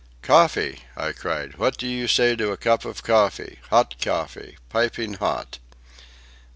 "Coffee!" I cried. "What do you say to a cup of coffee? hot coffee? piping hot?"